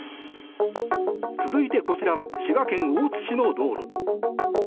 続いてこちらは滋賀県大津市の道路。